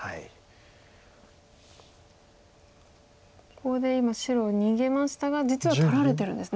ここで今白逃げましたが実は取られてるんですね。